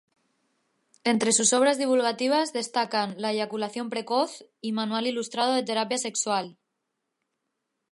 Entre sus obras divulgativas destacan "La eyaculación precoz "y "Manual ilustrado de terapia sexual".